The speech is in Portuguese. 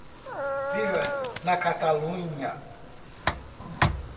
Viva na Catalunha!